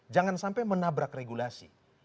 jangan sampai menabrak regulasi